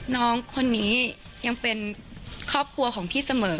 น้องคนนี้ยังเป็นครอบครัวของพี่เสมอ